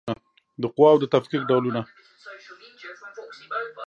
د قواوو د تفکیک ډولونه